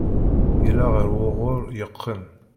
Yella ɣer wuɣur yeqqen.